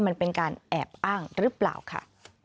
มันเป็นการแอบอ้างหรือเปล่าค่ะ